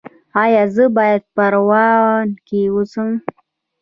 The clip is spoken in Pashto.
ایا زه باید په پروان کې اوسم؟